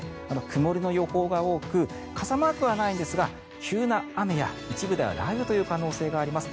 曇りの予報が多く傘マークはないんですが急な雨や一部では雷雨という可能性があります。